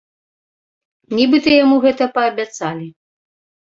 Нібыта яму гэта паабяцалі.